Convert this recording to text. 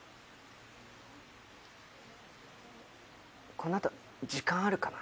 このあと時間あるかな？